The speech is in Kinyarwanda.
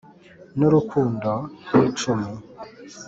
N'urukundo nk'icumi